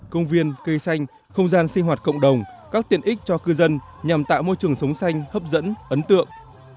công viên cây xanh không gian sinh hoạt cộng đồng các tiện ích cho cư dân nhằm tạo môi trường sống xanh hấp dẫn ấn tượng